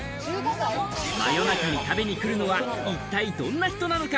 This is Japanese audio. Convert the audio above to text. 真夜中に食べに来るのは一体どんな人なのか？